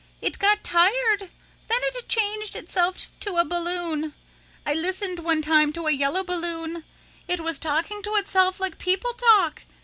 It got tired. Then it changed itself to a balloon. I listened one time to a yellow balloon. It was talking to itself like people talk.